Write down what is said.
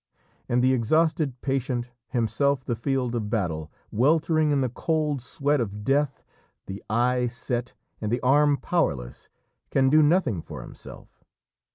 And the exhausted patient, himself the field of battle, weltering in the cold sweat of death, the eye set and the arm powerless, can do nothing for himself.